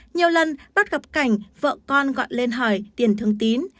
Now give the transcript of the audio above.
nhiều lần bắt gặp cảnh vợ con gọi lên hỏi tiền thương tín